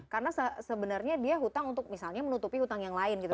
karena sebenarnya dia hutang untuk misalnya menutupi hutang yang lain gitu